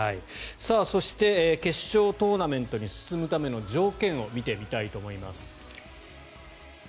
そして決勝トーナメントに進むための条件を見てみたいと思います。